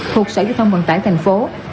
thuộc sở giao thông vận tải tp